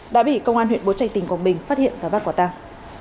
đã bị công an huyện bố trạch tỉnh quảng bình phát hiện và bắt quả tàng